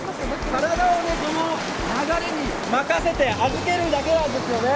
流れに任せて預けるだけなんですよね。